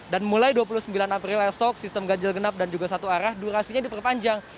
dan mulai dua puluh sembilan april esok sistem ganjel genap dan juga satu arah durasinya diperpanjang